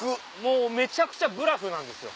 めちゃくちゃブラフなんですよ。